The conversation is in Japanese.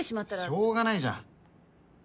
しょうがないじゃん。